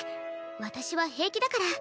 私は平気だから。